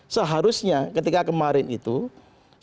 seharusnya ketika kemarin itu sudah pelaksana tugas